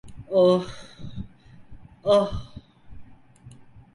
Oh, oh!